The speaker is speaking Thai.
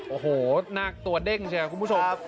โอ้โหนาคตัวเด้งใช่ไหมครับคุณผู้ชม